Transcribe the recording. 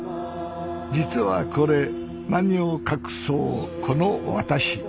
実はこれ何を隠そうこの私。